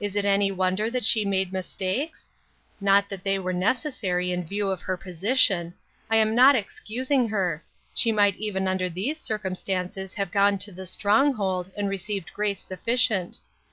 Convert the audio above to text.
Is it any wonder that she made mistakes ? Not that they were necessary in view of her position ; I am not excusing her ; she might even under these circum stances have gone to the Stronghold and received grace sufficient.